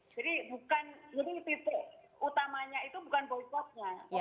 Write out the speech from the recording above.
jadi bukan ini titik utamanya itu bukan boykotnya